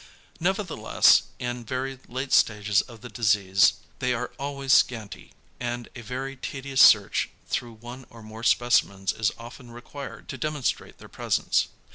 Nevertheless in very late stages of the disease they are always scanty, and a very tedious search through one or more specimens is often required to demonstrate their presence.